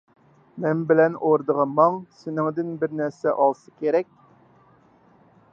مەن بىلەن ئوردىغا ماڭ، سېنىڭدىن بىر نەرسە ئالسا كېرەك.